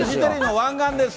湾岸です。